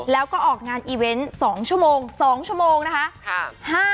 แล้วก็ออกงานอีเวนต์๒ชั่วโมง๒ชั่วโมงนะคะ